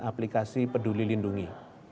aplikasi peduli lindungi